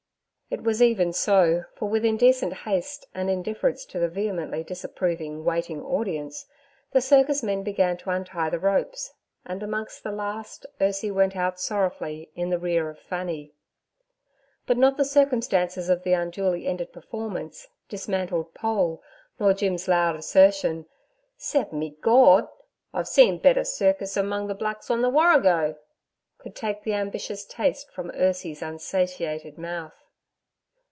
It was even so, for with indecent haste and indifference to the vehemently disapproving, waiting audience, the circus men began to untie the ropes, and amongst the last Ursie went out sorrowfully in the rear of Fanny. But not the circumstances of the unduly ended performance, dismantled pole, nor Jim's loud assertion, 'S'ep me Gord! I've see a better cirkis among the blacks on the Warrego' could take the ambitious taste from Ursie's unsatiated mouth.